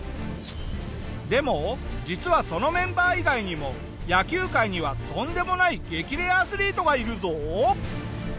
でも実はそのメンバー以外にも野球界にはとんでもない激レアアスリートがいるぞ。